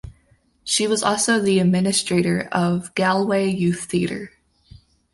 She was also the administrator of Galway Youth Theatre.